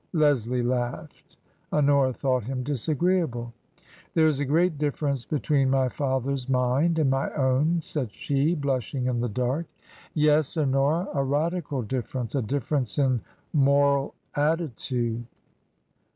Leslie laughed. Honora thought him disagreeable. " There is a great difference between my father's mind and my own," said she, blushing in the dark. Go TRANSITION, " Yes, Honora. A radical difference. A difference in moral attitude."